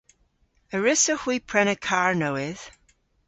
A wrussowgh hwi prena karr nowydh?